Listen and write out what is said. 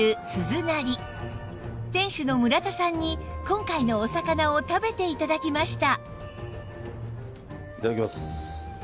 店主の村田さんに今回のお魚を食べて頂きました